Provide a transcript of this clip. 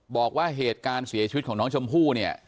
บอกว่าเหตุการณ์เสียชีวิตของน้องชมพู่เนี่ย